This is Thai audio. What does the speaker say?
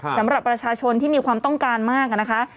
สำหรับประชาชนที่มีความต้องการมากนะคะ